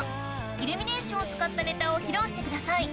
イルミネーションを使ったネタを披露してください